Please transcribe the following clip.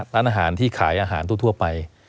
ร้านอาหารที่ขายอาหารทั่วไป